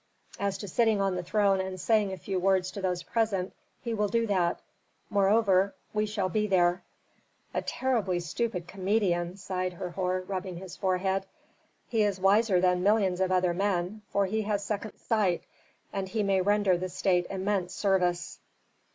As to sitting on the throne and saying a few words to those present, he will do that. Moreover, we shall be there." "A terribly stupid comedian!" sighed Herhor, rubbing his forehead. "He is wiser than millions of other men, for he has second sight and he may render the state immense service."